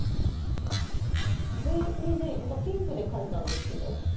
壁にね何かピンクで描いたんですけど。